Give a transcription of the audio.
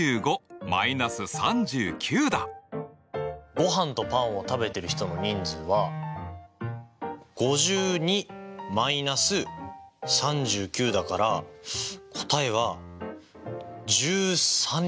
ごはんとパンを食べてる人の人数は５２−３９だから答えは１３人。